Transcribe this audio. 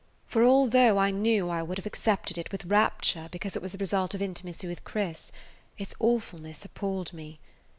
For although I knew I would have accepted it with rapture because it was the result of intimacy with Chris, its awfulness appalled me.